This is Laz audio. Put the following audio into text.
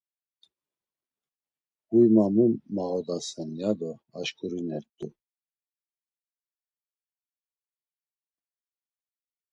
Huy ma mu mağodasen, yado aşǩurinert̆u.